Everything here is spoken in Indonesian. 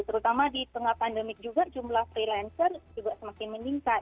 terutama di tengah pandemik juga jumlah freelancer juga semakin meningkat